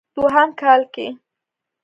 دوهم کال کې